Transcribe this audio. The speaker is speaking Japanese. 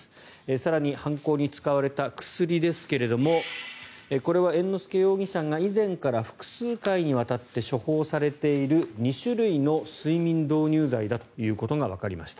更に犯行に使われた薬ですがこれは猿之助容疑者が以前から複数回にわたって処方されている２種類の睡眠導入剤だということがわかりました。